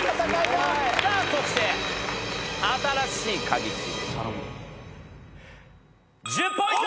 さあそして新しいカギチーム１０ポイント！